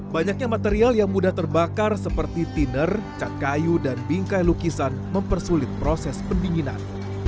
banyaknya material yang mudah terbakar seperti tiner cat kayu dan bingkai lukisan mempersulit proses pendinginan